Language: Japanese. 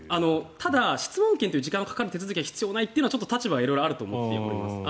ただ、質問権という時間がかかる手続きが必要ないというのは立場が色々あると思います。